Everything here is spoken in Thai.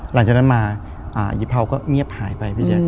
หลังจากนั้นมาอาหญิงเภาก็เมียบหายไป